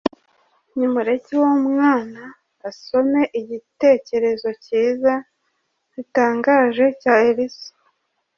Nimureke uwo mwana asome igitekerezo cyiza bitangaje cya Elisa